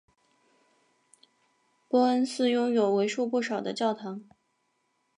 波恩市拥有为数不少的教堂。